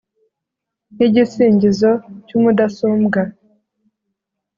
ni igisingizo cy’umudasumbwa